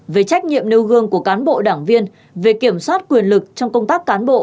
về trách nhiệm nêu gương của cán bộ đảng viên về kiểm soát quyền lực trong công tác cán bộ